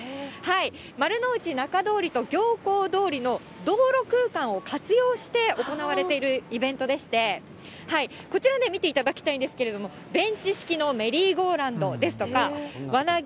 丸の内なかどおりと行幸通りの道路空間を活用して、行われているイベントでして、こちら見ていただきたいんですけれども、ベンチ式のメリーゴーラウンドですとか、輪投げ。